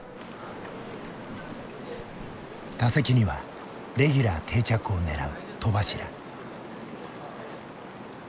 打席にはレギュラー定着を狙う戸柱。